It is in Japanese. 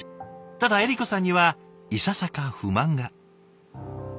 ただ恵利子さんにはいささか不満が。